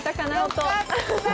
音。